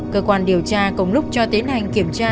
cơ quan điều tra cùng lúc cho tiến hành kiểm tra